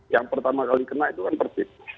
yang pertama kali kena itu kan persib